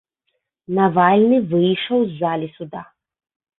Навальны выйшаў з залі суда.